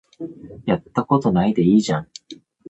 やったことないでいいじゃん